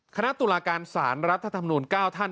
คณะตุลาการสารรัฐธรรมนูล๙ท่าน